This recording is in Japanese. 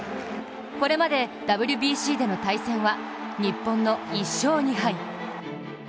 これまでＷＢＣでの対戦は日本の１勝２敗。